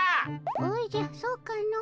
おじゃそうかの。